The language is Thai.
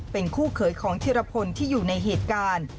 เป็นคู่เขยของธิรพลที่อยู่ในเหตุการณ์